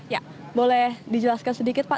ya boleh dijelaskan sedikit pak